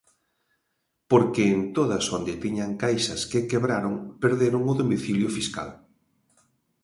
Porque en todas onde tiñan caixas que quebraron perderon o domicilio fiscal.